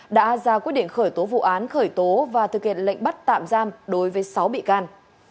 đã ra quyết định khởi tố vụ án khởi tố và thực hiện lệnh bắt tạm giam đối với sáu bị can